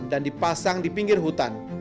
dan dipasang di pinggir hutan